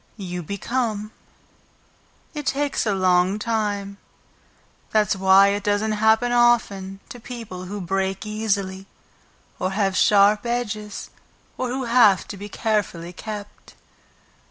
"You become. It takes a long time. That's why it doesn't happen often to people who break easily, or have sharp edges, or who have to be carefully kept.